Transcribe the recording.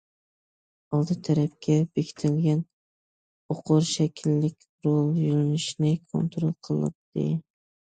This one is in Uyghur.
ئالدى تەرەپكە بېكىتىلگەن ئوقۇر شەكىللىك رول يۆلىنىشنى كونترول قىلاتتى.